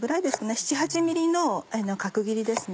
７８ｍｍの角切りですね